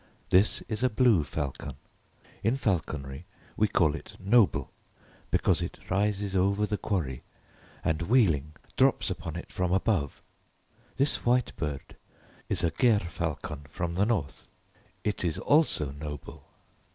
This is a blue falcon. In falconry we call it 'noble' because it rises over the quarry, and wheeling, drops upon it from above. This white bird is a gerfalcon from the north. It is also 'noble!'